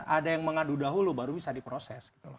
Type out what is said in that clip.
ada yang mengadu dahulu baru bisa diproses